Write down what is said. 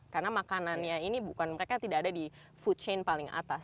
karena makanannya ini bukan mereka tidak ada di food chain paling atas